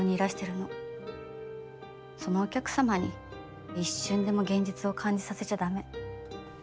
そのお客様に一瞬でも現実を感じさせちゃ駄目。